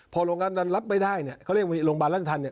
พอโรงพยาบาลนั้นรับไม่ได้เนี่ยเขาเรียกโรงพยาบาลราชธรรมเนี่ย